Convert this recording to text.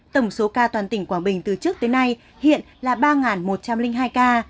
tổng số ca toàn tỉnh quảng bình từ trước tới nay hiện là ba một trăm linh hai ca